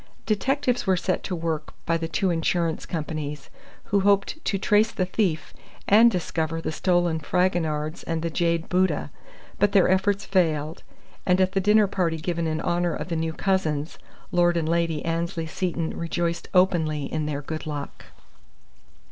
Detectives were set to work by the two insurance companies, who hoped to trace the thief and discover the stolen Fragonards and the jade Buddha; but their efforts failed; and at the dinner party given in honour of the new cousins, Lord and Lady Annesley Seton rejoiced openly in their good luck.